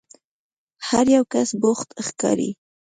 هر یو کس بوخت ښکاري.